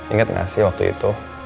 ingat gak sih waktu itu